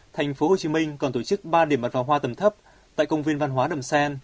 thành phố hồ chí minh còn tổ chức ba điểm bật vào hoa tầm thấp tại công viên văn hóa đầm sen